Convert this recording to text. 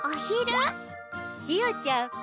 ひよちゃん